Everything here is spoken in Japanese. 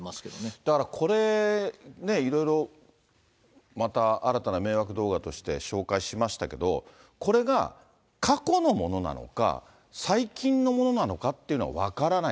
だからこれね、いろいろ、また新たな迷惑動画として紹介しましたけども、これが過去のものなのか、最近のものなのかっていうのは分からない。